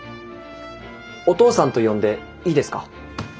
お父さんと呼んでいいですか？